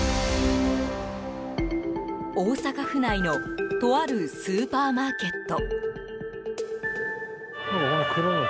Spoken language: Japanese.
大阪府内のとあるスーパーマーケット。